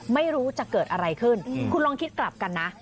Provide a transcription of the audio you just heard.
ไม่รู้จะเกิดอะไรขึ้นคุณลองคิดกลับกันนะ